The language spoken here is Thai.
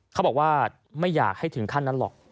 เขาบอกว่าไม่อยากให้ถึงขั้นนั้นหรอก